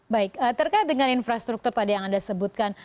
baik terkait dengan infrastruktur tadi yang anda sebutkan